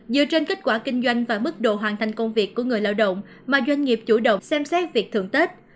dựa trên kết quả kinh doanh và mức độ hoàn thành công việc của người lao động mà doanh nghiệp chủ động xem xét việc thưởng tết